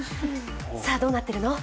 さぁ、どうなってるの？